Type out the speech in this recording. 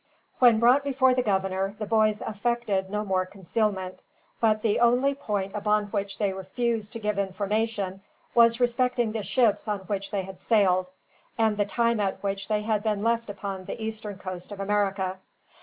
When brought before the governor, the boys affected no more concealment; but the only point upon which they refused to give information was respecting the ships on which they had sailed, and the time at which they had been left upon the eastern coast of America.